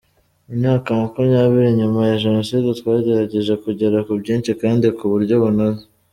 Imyaka makumyabiri nyuma ya genoside twagerageje kugera kuri byinshi kandi ku buryo bunoze”.